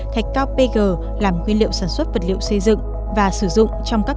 thạch cao pg làm nguyên liệu sản xuất vật liệu xây dựng và sử dụng trong các